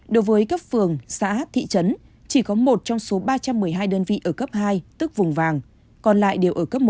đối với cấp phường xã thị trấn chỉ có một trong số ba trăm một mươi hai đơn vị ở cấp hai tức vùng vàng còn lại đều ở cấp một